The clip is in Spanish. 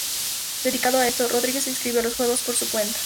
Debido a esto, Rodríguez se inscribió a los juegos por su cuenta.